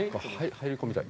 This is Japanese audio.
入り込みたい。